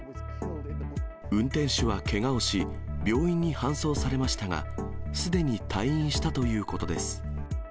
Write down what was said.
運転手はけがをし、病院に搬送されましたが、すでに退院したということです。